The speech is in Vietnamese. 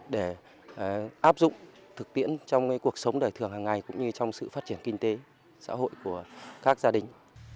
để áp dụng thực tiễn trong cuộc sống đời thường hàng ngày cũng như trong sự phát triển kinh tế xã hội của các gia đình